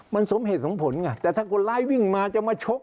มันสมเหตุสมผลไงแต่ถ้าคนร้ายวิ่งมาจะมาชก